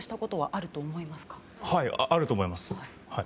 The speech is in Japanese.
あると思います。